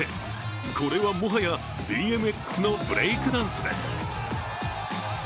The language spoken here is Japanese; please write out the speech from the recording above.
これはもはやＢＭＸのブレイクダンスです。